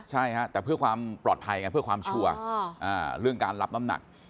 ใช่ฮะแต่เพื่อความปลอดภัยไงเพื่อความชัวร์เรื่องการรับน้ำหนัก